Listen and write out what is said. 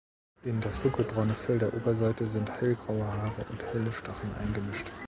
In das dunkelbraune Fell der Oberseite sind hellgraue Haare und helle Stacheln eingemischt.